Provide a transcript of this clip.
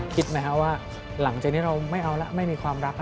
คิดไหมฮะว่าหลังจากนี้เราไม่เอาล่ะไม่มีความรัก